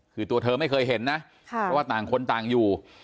คือตัวเธอไม่เคยเห็นนะเพราะว่าต่างคนต่างอยู่